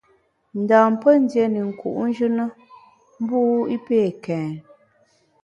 Ndam pé ndié ne nku’njù na mbu i pé kèn.